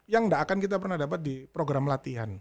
yang tidak akan kita pernah dapat di program latihan